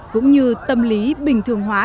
cũng như tâm lý bình thường hóa